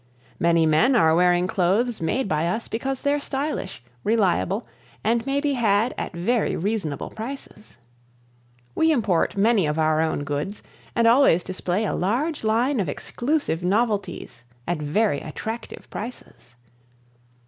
Many men are wearing clothes made by us because they're stylish, reliable and may be had at very reasonable prices. We import many of our own goods and always display a large line of exclusive novelties at very attractive prices.